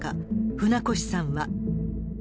船越さんは。